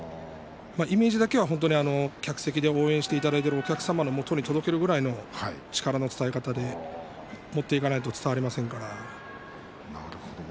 イメージだけは、本当に客席で応援していただいているお客様のもとに届けるぐらいの力の伝え方で持っていかないと伝わりませんから。